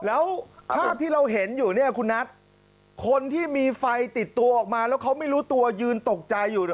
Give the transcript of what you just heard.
แล้วภาพที่เราเห็นอยู่เนี่ยคุณนัทคนที่มีไฟติดตัวออกมาแล้วเขาไม่รู้ตัวยืนตกใจอยู่เนี่ย